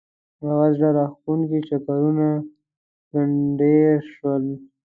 هغه زړه راکښونکي چکرونه ګنډېر شول.